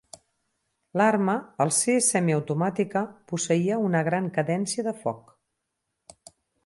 L'arma, al ser semi automàtica, posseïa una gran cadència de foc.